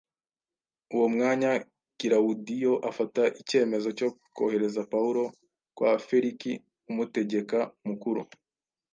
Uwo mwanya Kilawudiyo afata icyemezo cyo kohereza Pawulo kwa Feliki umutegeka mukuru